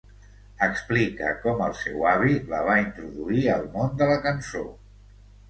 Explica com el seu avi la va introduir al món de la cançó